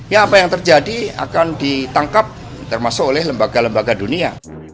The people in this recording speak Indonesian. ya apa yang terjadi akan ditangkap termasuk oleh lembaga lembaga dunia